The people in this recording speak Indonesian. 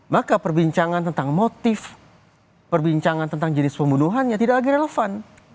maka perbincangan tentang motif perbincangan tentang jenis pembunuhannya tidak lagi relevan